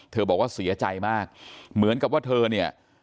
บอกว่าเสียใจมากเหมือนกับว่าเธอเนี่ย